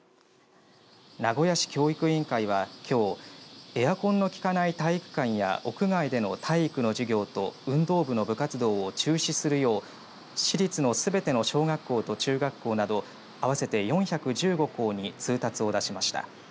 名古屋市教育委員会はきょうエアコンの効かない体育館や屋外での体育の授業と運動部の部活動を中止するよう市立のすべての小学校と中学校など合わせて４１５校に通達を出しました。